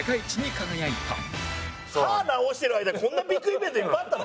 歯治してる間にこんなビッグイベントいっぱいあったの？